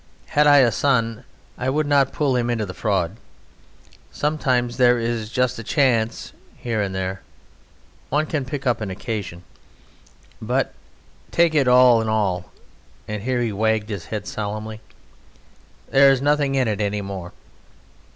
Had I a son I would not put him into The Fraud.... Sometimes there is just a chance here and there.... One can pick up an occasion. But take it all in all (and here he wagged his head solemnly) there is nothing in it any more."